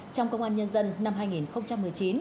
trong công an nhân dân năm hai nghìn một mươi chín